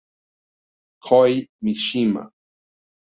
Kohei Mishima